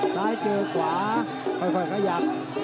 ซ้ายเจอขวาค่อยขยับ